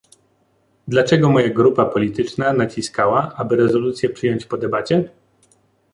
Dlaczego moja grupa polityczna naciskała, aby rezolucję przyjąć po debacie?